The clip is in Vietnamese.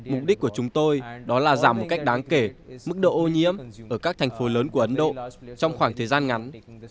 mục đích của chúng tôi đó là giảm một cách đáng kể mức độ ô nhiễm ở các thành phố lớn của ấn độ trong khoảng thời gian ngắn